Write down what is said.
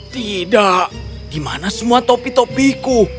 tidak di mana semua topi topiku